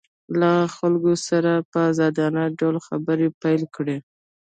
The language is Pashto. له خلکو سره یې په ازادانه ډول خبرې پیل کړې